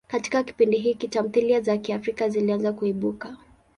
Katika kipindi hiki, tamthilia za Kiafrika zilianza kuibuka.